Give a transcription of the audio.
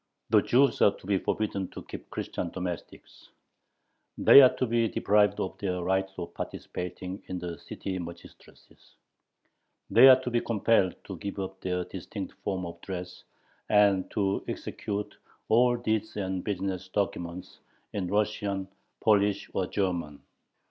The Jews are to be forbidden to keep Christian domestics; they are to be deprived of their right of participating in the city magistracies; they are to be compelled to give up their distinct form of dress and to execute all deeds and business documents in Russian, Polish, or German.